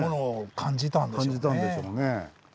感じたんでしょうね。